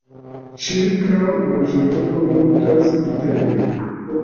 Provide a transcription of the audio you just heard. Ĉirkaŭ la loĝloko multas vitejoj.